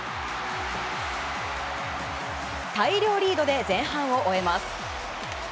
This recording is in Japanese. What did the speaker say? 大量リードで前半を終えます。